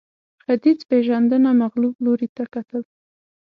ختیځپېژندنه مغلوب لوري ته کتل